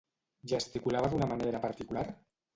Gesticulava d'una manera particular?